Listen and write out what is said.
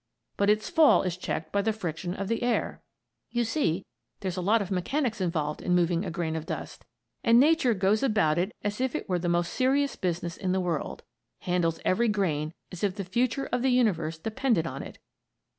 But its fall is checked by the friction of the air. You see there's a lot of mechanics involved in moving a grain of dust; and Nature goes about it as if it were the most serious business in the world; handles every grain as if the future of the universe depended on it.